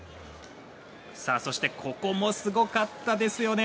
そして、ここもすごかったですよね